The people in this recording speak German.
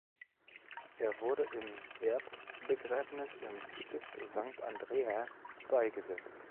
Er wurde im Erbbegräbnis im Stift Sankt Andrä beigesetzt.